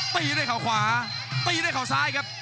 ตีด้วยเขาขวาตีด้วยเขาซ้ายครับ